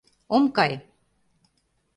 — Ом кай!